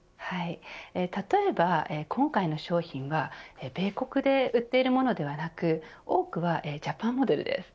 例えば今回の商品は米国で売っているものではなく多くはジャパンモデルです。